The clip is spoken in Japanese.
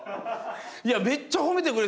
いやめっちゃ褒めてくれる。